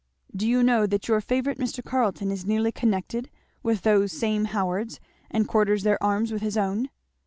"Do you know that your favourite Mr. Carleton is nearly connected with those same Howards, and quarters their arms with his own?"